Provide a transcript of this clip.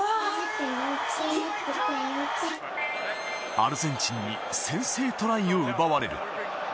アルゼンチンに先制トライを奪われる。